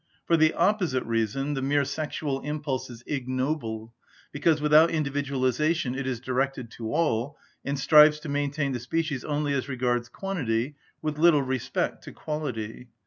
For the opposite reason, the mere sexual impulse is ignoble, because without individualisation it is directed to all, and strives to maintain the species only as regards quantity, with little respect to quality.